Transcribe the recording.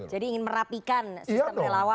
jadi ingin merapikan sistem relawan